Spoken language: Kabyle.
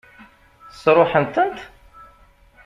Sṛuḥent-tent?